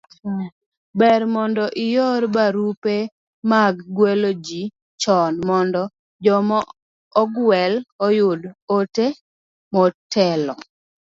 ber mondo ior barupe mag gwelo ji chon mondo joma ogwel oyud ote motelo